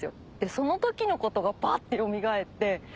その時のことがバッてよみがえって。